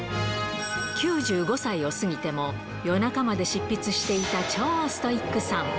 ９５歳を過ぎても夜中まで執筆していた超ストイックさん。